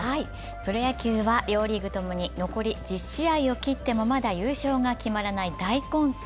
プロ野球は両リーグともに残り１０試合を切ってもまだ優勝が決まらない大混戦。